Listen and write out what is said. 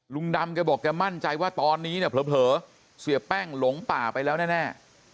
ลุงดำแกบอกแกมั่นใจว่าตอนนี้เนี่ยเผลอเสียแป้งหลงป่าไปแล้วแน่